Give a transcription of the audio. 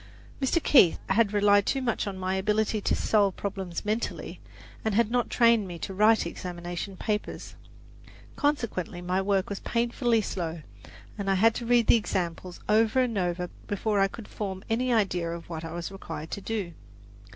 Mr. Keith had relied too much on my ability to solve problems mentally, and had not trained me to write examination papers. Consequently my work was painfully slow, and I had to read the examples over and over before I could form any idea of what I was required to do.